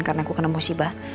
karena aku kena musibah